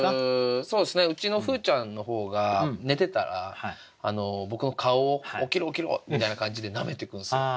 そうですねうちのふうちゃんの方が寝てたら僕の顔を「起きろ起きろ」みたいな感じでなめてくるんすよ。